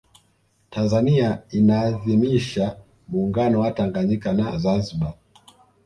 tanzania inaadhimisha muungano wa tanganyika na zanzibar